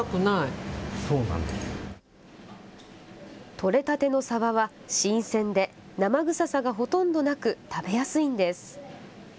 取れたてのサバは新鮮で生臭さがほとんどなく食べやすいんです。